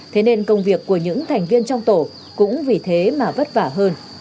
thế nên công việc của những thành viên trong tổ cũng vì thế mà vất vả hơn